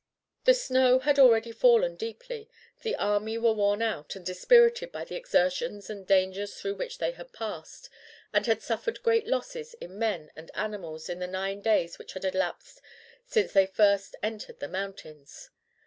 The snow had already fallen deeply, the army were worn out and dispirited by the exertions and dangers through which they had passed, and had suffered great losses in men and animals in the nine days which had elapsed since they first entered the mountains.